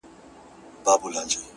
ستا لېونۍ خندا او زما له عشقه ډکه ژړا-